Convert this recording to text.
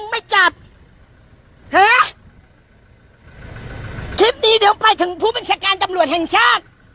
ไม่จับฮะคลิปนี้เดี๋ยวไปถึงผู้บัญชาการตำรวจแห่งชาติ